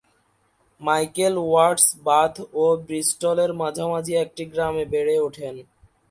Michael Watts Bath ও ব্রিস্টলের মাঝামাঝি একটি গ্রামে বেড়ে ওঠেন।